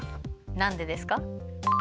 何でですか？